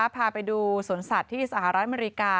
พาไปดูสวนสัตว์ที่สหรัฐอเมริกา